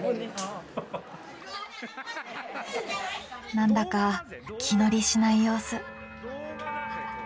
何だか気乗りしない様子。